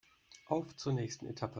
Auf zur nächsten Etappe!